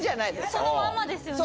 そのままですよね？